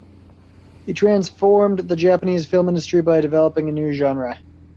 He transformed the Japanese film industry by developing a new genre.